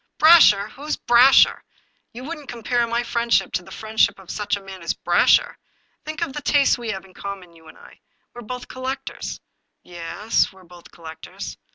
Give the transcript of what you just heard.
" Brasher! Who's Brasher? You wouldn't compare my 256 The Puzzle friendship to the friendship of such a man as Brasher? Think of the tastes we have in common, you and I. We're both collectors." " Ye es, we're both collectors."